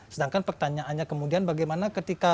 sedangkan pertanyaannya kemudian bagaimana ketika